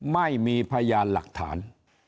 ไม่มีพยานหลักฐาน